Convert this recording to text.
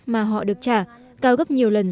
mà họ được trả cao gấp nhiều lần